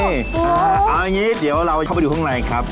เอาอย่างนี้เดี๋ยวเราเข้าไปดูข้างในครับ